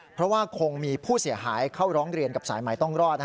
เพราะว่าคงมีผู้เสียหายเข้าร้องเรียนกับสายใหม่ต้องรอด